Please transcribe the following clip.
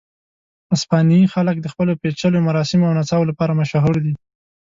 اسپانیایي خلک د خپلو پېچلیو مراسمو او نڅاو لپاره مشهور دي.